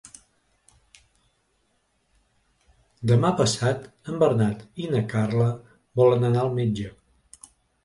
Demà passat en Bernat i na Carla volen anar al metge.